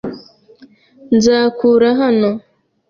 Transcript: Nzakura hano .